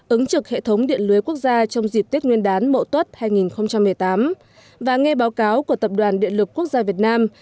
ứng trực hệ thống điện lưới quốc gia trong dịp tết nguyên đán mậu tuất hai nghìn một mươi tám và nghe báo cáo của tập đoàn điện lực quốc gia việt nam